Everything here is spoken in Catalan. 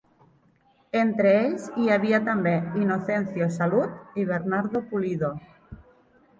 Entre ells hi havia també Inocencio Salud i Bernardo Pulido.